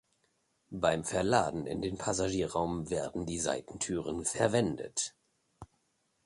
Beim Verladen in den Passagierraum werden die Seitentüren verwendet.